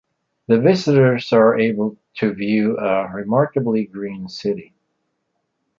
The visitors are able to view a remarkably green city.